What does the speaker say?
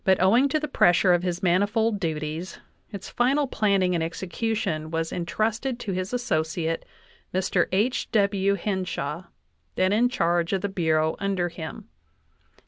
owing to the pressure of his manifold duties, its final planning and execution was intrusted to his associate, Mr. H. W. Hen shaw, then in charge of the Bureau under him.